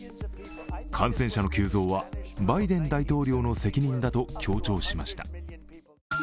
感染者の急増はバイデン大統領の責任だと強調しました。